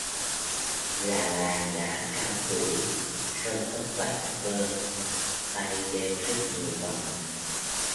Già làng đã cao tuổi, râu tóc bạc phơ, tay đeo rất nhiều vòng